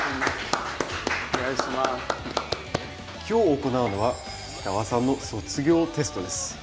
今日行うのは氷川さんの卒業テストです。